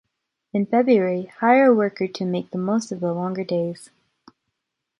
In February, hire a worker to make the most of the longer days.